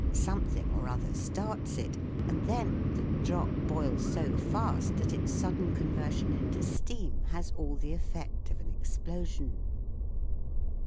Something or other starts it, and then the drop boils so fast that its SOUNDS OF THE TOWN sudden conversion into steam has all the effect of an explosion.